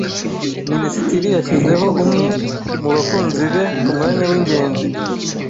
Minisitiri yashyizeho umwe mu bakunzi be ku mwanya w'ingenzi.